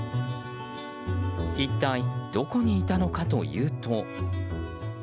一体どこにいたのかというと。